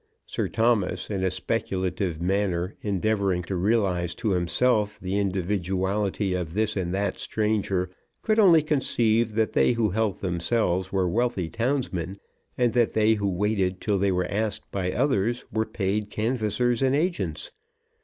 Sir Thomas, in a speculative manner, endeavouring to realise to himself the individuality of this and that stranger, could only conceive that they who helped themselves were wealthy townsmen, and that they who waited till they were asked by others were paid canvassers and agents.